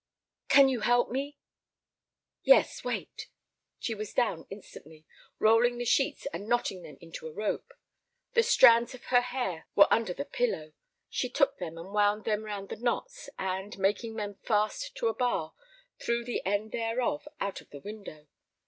"Can you help me?" "Yes; wait." She was down instantly, rolling the sheets and knotting them into a rope. The strands of her hair were under the pillow. She took them and wound them round the knots, and, making them fast to a bar, threw the end thereof out of the window.